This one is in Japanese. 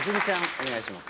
お願いします。